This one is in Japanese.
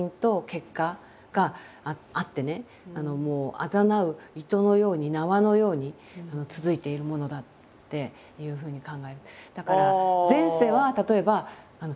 あざなう糸のように縄のように続いているものだっていうふうに考える。